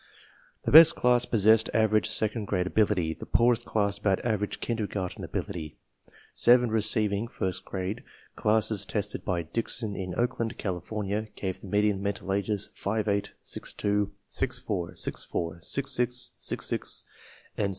The best class possessed average second grade ability, the poor est class about average kindergarten ability. Seven receiving (first grade) classes tested by Dickson in Oak land, California, gave the median mental kges 5 8, 6 2, 6 4, 6 4, 6 6, 6 6, and 7 0.